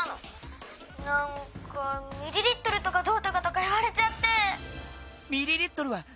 なんかミリリットルとかどうとかとかいわれちゃって」。